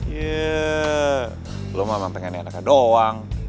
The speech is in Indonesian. iya lo mah mantengannya adakah doang